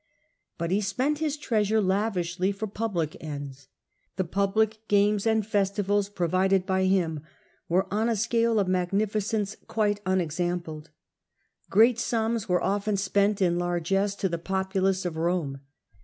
But he spent his treasure lavishly for public ends The public games and festivals provided by him were on a scale of magnificence quite unexampled ; Liberal great sums were often spent in largess to the populace of Rome.